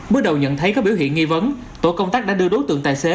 bước đầu nhận thấy có biểu hiện nghi vấn tổ công tác đã đưa đối tượng tài xế